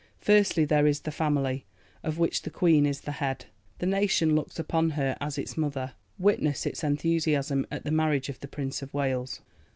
Firstly: there is the Family, of which the Queen is the head; the Nation looks upon her as its mother, witness its enthusiasm at the marriage of the Prince of Wales.